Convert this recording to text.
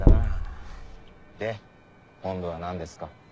で今度はなんですか？